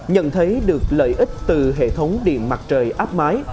nhận thấy được lợi ích từ hệ thống điện mặt trời áp mái